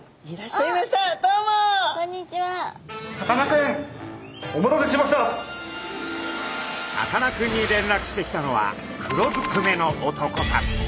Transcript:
さかなクンに連絡してきたのは黒ずくめの男たち。